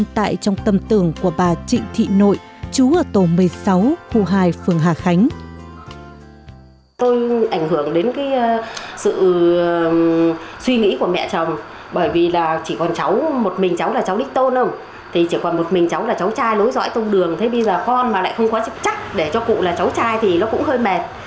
thế bây giờ con mà lại không có chức trắc để cho cụ là cháu trai thì nó cũng hơi mệt